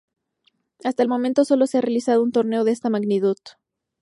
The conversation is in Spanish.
Hasta el momento sólo se ha realizado un torneo de esta magnitud.